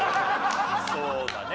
そうだね。